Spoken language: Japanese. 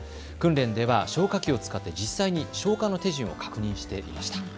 訓練では消火器を使って実際に消火の手順を確認していました。